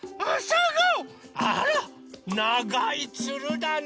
あらながいつるだね。